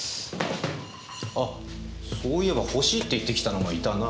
あそういえば欲しいって言ってきたのがいたな。